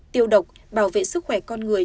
tiêu độc bảo vệ sức khỏe con người